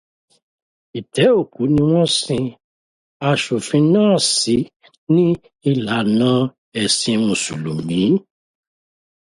Itẹ́ òkú ni wọ́n sin Aṣòfin náà sí ní ìlànà ẹ̀sìn Mùsùlùmí.